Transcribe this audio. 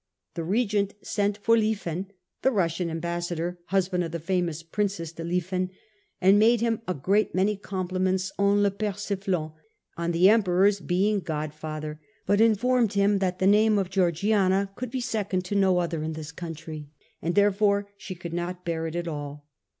The Regent sent for Lieven' (the Russian ambassador, husband of the famous Princess de Lieven), ' and made him a great many compliments, en le persiflant, on the Emperor's being godfather, but informed bfm that the name of Georgiana could be second to no other in this country, and therefore she could not bear it at all.